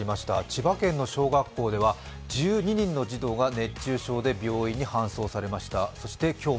千葉県の小学校では１２人の児童が熱中症で病院に搬送されました。